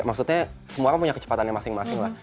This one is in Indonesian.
maksudnya semua orang punya kecepatannya masing masing lah